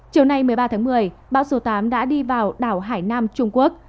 chiều nay một mươi ba tháng một mươi bão số tám đã đi vào đảo hải nam trung quốc